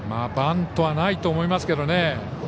バントはないと思いますけど。